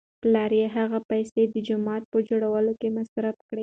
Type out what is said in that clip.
پلار یې هغه پیسې د جومات په جوړولو کې مصرف کړې.